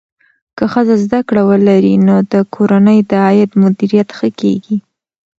که ښځه زده کړه ولري، نو د کورنۍ د عاید مدیریت ښه کېږي.